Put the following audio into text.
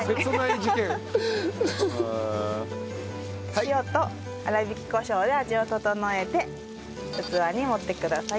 塩と粗挽きコショウで味を調えて器に盛ってください。